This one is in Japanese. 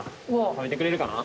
食べてくれるかな？